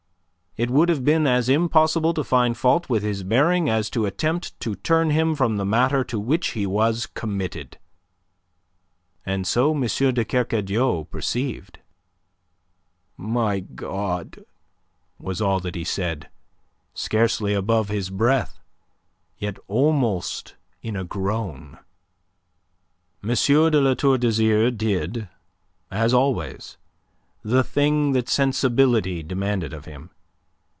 It would have been as impossible to find fault with his bearing as to attempt to turn him from the matter to which he was committed. And so M. de Kercadiou perceived. "My God!" was all that he said, scarcely above his breath, yet almost in a groan. M. de La Tour d'Azyr did, as always, the thing that sensibility demanded of him.